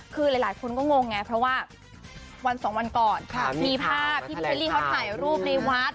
คือหลายคนก็งงไงเพราะว่าวันสองวันก่อนมีภาพที่พี่เบลลี่เขาถ่ายรูปในวัด